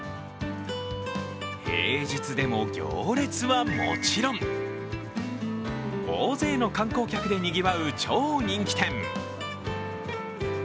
平日でも行列はもちろん、大勢の観光客でにぎわう超人気店。